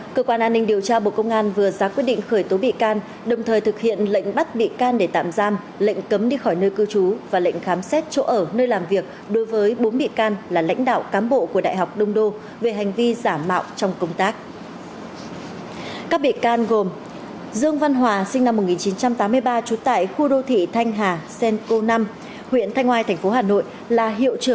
cơ quan an ninh điều tra bộ công an vừa ra quyết định khởi tố bị can đồng thời thực hiện lệnh bắt bị can để tạm giam lệnh cấm đi khỏi nơi cư trú và lệnh khám xét chỗ ở nơi làm việc đối với bốn bị can là lãnh đạo cám bộ của đại học đông đô về hành vi giả mạo trong công tác